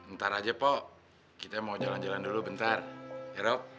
ntar aja pak kita mau jalan jalan dulu bentar ya rob